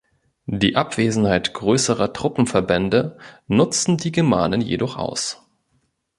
Die Abwesenheit größerer Truppenverbände nutzten die Germanen jedoch aus.